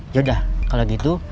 yaudah kalau gitu